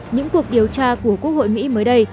những cuộc điều tra của quốc hội mỹ mới đây